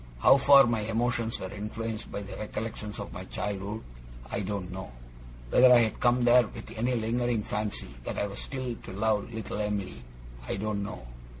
How far my emotions were influenced by the recollections of my childhood, I don't know. Whether I had come there with any lingering fancy that I was still to love little Em'ly, I don't know.